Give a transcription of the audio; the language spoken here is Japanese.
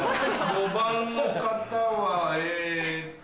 ５番の方はえっと。